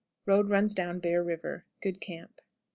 Road runs down Bear River. Good camp.